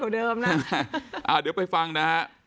เดี๋ยวไปฟังนะฮะ